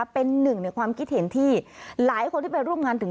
เป็นหนึ่งในความคิดเห็นที่หลายคนที่ไปร่วมงานถึง